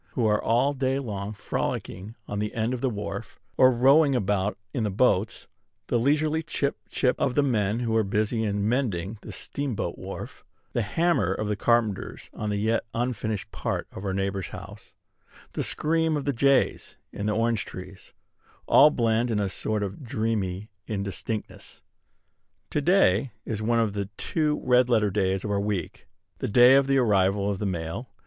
who are all day long frolicking on the end of the wharf, or rowing about in the boats; the leisurely chip, chip, of the men who are busy in mending the steamboat wharf; the hammer of the carpenters on the yet unfinished part of our neighbor's house; the scream of the jays in the orange trees, all blend in a sort of dreamy indistinctness. To day is one of the two red letter days of our week, the day of the arrival of the mail.